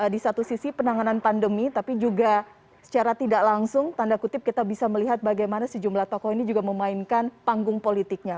di satu sisi penanganan pandemi tapi juga secara tidak langsung tanda kutip kita bisa melihat bagaimana sejumlah tokoh ini juga memainkan panggung politiknya